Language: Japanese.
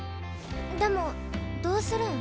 でもどうするん？